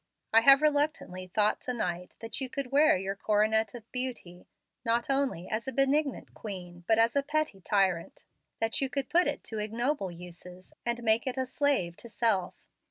I have reluctantly thought to night that you could wear your coronet of beauty, not Only as a benignant queen, but as a petty tyrant, that you could put it to ignoble uses, and make it a slave to self.